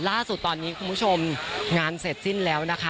ล่าสุดตอนนี้คุณผู้ชมงานเสร็จสิ้นแล้วนะคะ